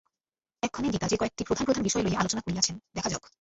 এক্ষণে গীতা যে কয়েকটি প্রধান প্রধান বিষয় লইয়া আলোচনা করিয়াছেন, দেখা যাউক।